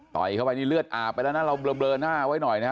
ยเข้าไปนี่เลือดอาบไปแล้วนะเราเบลอหน้าไว้หน่อยนะฮะ